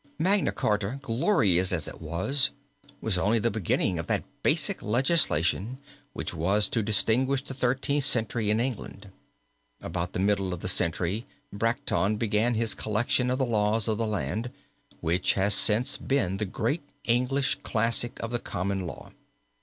Magna Charta, glorious as it was, was only the beginning of that basic legislation which was to distinguish the Thirteenth Century in England. About the middle of the century Bracton began his collection of the laws of the land which has since been the great English classic of the Common Law.